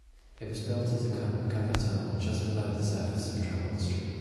It was built as a cut-and-cover tunnel just below the surface of Tremont Street.